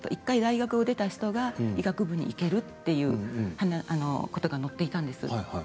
１回大学を出た人が医学部に行けるっていうことが載っていたんです。